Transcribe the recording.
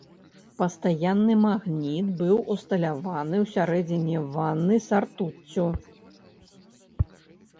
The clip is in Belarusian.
Пастаянны магніт быў усталяваны ў сярэдзіне ванны са ртуццю.